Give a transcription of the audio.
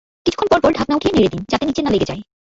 কিছুক্ষণ পরপর ঢাকনা উঠিয়ে নেড়ে দিন, যাতে নিচে লেগে না যায়।